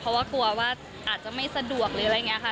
เพราะว่ากลัวว่าอาจจะไม่สะดวกหรืออะไรอย่างนี้ค่ะ